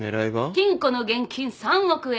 金庫の現金３億円。